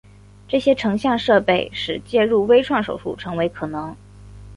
这些成像设备使介入微创手术成为可能。